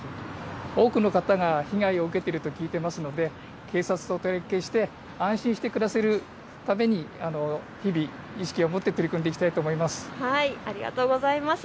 多くの方が被害を受けていると聞いていますので警察と連携して安心して暮らせるように日々、意識を持って取り組んでいきたいと思います。